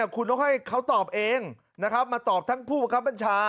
คุณต้องให้เขาตอบเองนะครับมาตอบทั้งผู้ประคับบัญชา